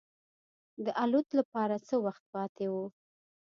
د الوت لپاره څه وخت پاتې و.